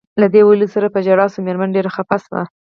له دې ویلو سره په ژړا شول، مېرمن ډېره خپه شوه.